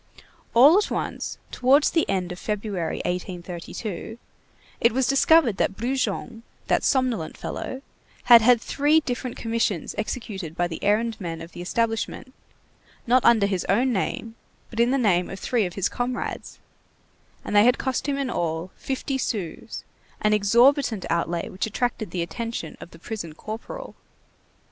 All at once, towards the end of February, 1832, it was discovered that Brujon, that somnolent fellow, had had three different commissions executed by the errand men of the establishment, not under his own name, but in the name of three of his comrades; and they had cost him in all fifty sous, an exorbitant outlay which attracted the attention of the prison corporal.